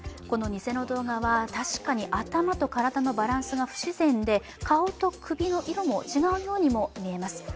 この偽の動画は確かに頭と体のバランスが不自然で顔と首の色も違うようにも見えます。